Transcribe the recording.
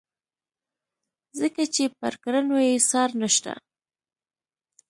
ځکه چې پر کړنو یې څار نشته.